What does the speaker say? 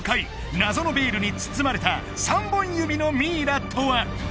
謎のベールに包まれた３本指のミイラとは？